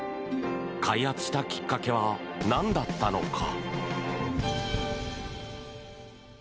開発したきっかけはなんだったのか？